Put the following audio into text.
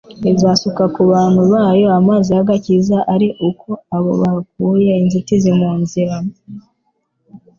izasuka ku bantu bayo amazi y'agakiza ari uko abo bakuye inzitizi mu nzira.